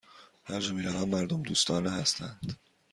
هرجا می روم، مردم دوستانه هستند.